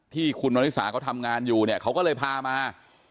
ที่คุณมริสาเขาทำงานอยู่เนี่ยเขาก็เลยพามา